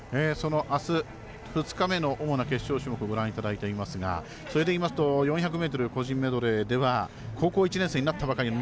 あす、２日目の主な決勝種目をご覧いただいていますがそれでいいますと４００ｍ個人メドレーでは高校１年生になったばかりの